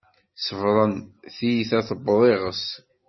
Ṣebren, tiyita tewweḍ iγes